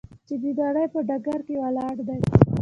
چې د نړۍ په ډګر کې ولاړ دی.